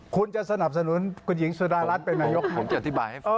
คุณจะสนับสนุนคุณหญิงสุดารัฐเป็นนายกรัฐมนตรี